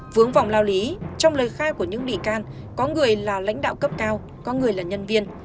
vướng vòng lao lý trong lời khai của những bị can có người là lãnh đạo cấp cao có người là nhân viên